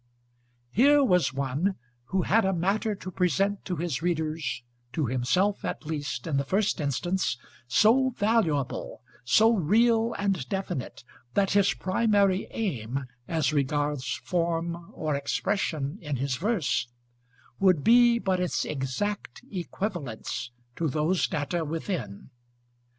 Here was one, who had a matter to present to his readers, to himself at least, in the first instance, so valuable, so real and definite, that his primary aim, as regards form or expression in his verse, would be but its exact equivalence to those data within.